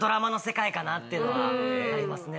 っていうのはありますね